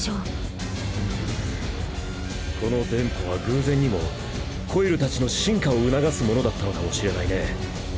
この電波は偶然にもコイルたちの進化を促すものだったのかもしれないね。